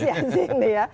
gus yassin ya